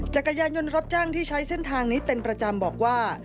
จักรยานยนต์รับจ้างที่ใช้เส้นทางนี้เป็นประจำบอกว่า